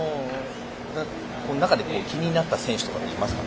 中で気になった選手とかいますか？